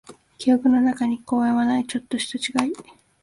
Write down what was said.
記憶の中の公園にはない、ちょっとした違い。